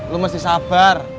lo mesti sabar